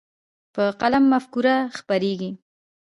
په قلم مفکوره خپرېږي.